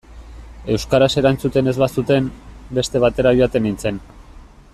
Euskaraz erantzuten ez bazuten, beste batera joaten nintzen.